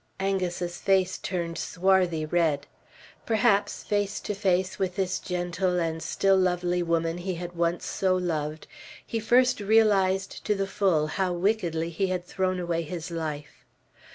Angus's face turned swarthy red. Perhaps, face to face with this gentle and still lovely woman he had once so loved, he first realized to the full how wickedly he had thrown away his life.